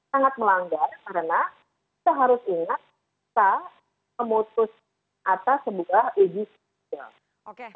sangat melanggar karena kita harus ingat kita memutus atas sebuah edisi